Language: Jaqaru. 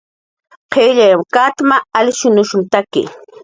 qillyam katma, alnushumtaki